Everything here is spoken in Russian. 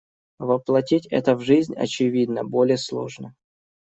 Воплотить это в жизнь, очевидно, более сложно.